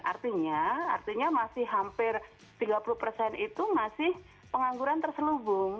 artinya artinya masih hampir tiga puluh persen itu masih pengangguran terselubung